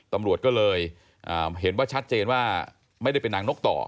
ตำรวจก็เลยเห็นว่าชัดเจนว่าไม่ได้เป็นนางนกต่อ